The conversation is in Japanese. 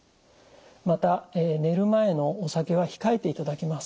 また寝る前のお酒は控えていただきます。